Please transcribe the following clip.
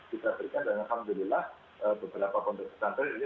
kita berikan dan alhamdulillah beberapa pondok pesantren ini